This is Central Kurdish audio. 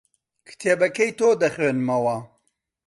کتێبەکەی تۆ دەخوێنمەوە.